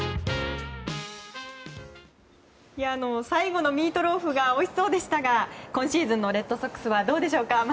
最後のミートローフがおいしそうでしたが今シーズンのレッドソックスはどうでしょうか？